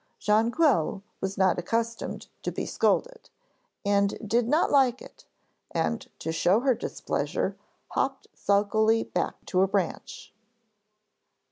Jonquil was not accustomed to be scolded, and did not like it, and to show her displeasure hopped sulkily back to her branch.